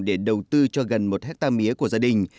để đầu tư cho gần một hectare mía của gia đình